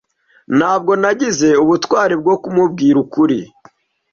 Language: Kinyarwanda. Ntabwo nagize ubutwari bwo kumubwira ukuri.